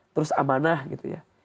terus amanah gitu ya